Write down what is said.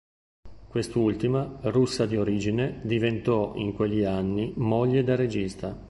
Quest'ultima, russa di origine, diventò, in quegli anni, moglie del regista.